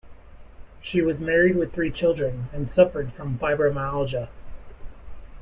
She was married with three children, and suffered from fibromyalgia.